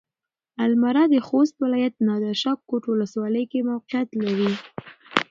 المره د خوست ولايت نادرشاه کوټ ولسوالۍ کې موقعيت لري.